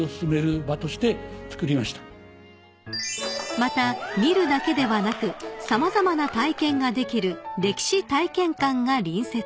［また見るだけではなく様々な体験ができる歴史体験館が隣接］